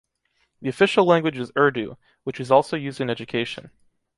The official language is Urdu, which is also used in education.